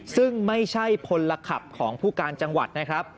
ซึ่งไม่ใช่พลขับของผู้การจังหวัดนะครับ